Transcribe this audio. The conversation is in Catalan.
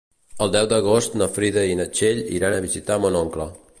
El deu d'agost na Frida i na Txell iran a visitar mon oncle.